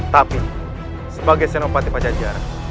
tapi sebagai senopati pacar jara